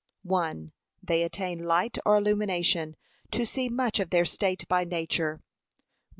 (1.) They attain light or illumination, to see much of their state by nature with.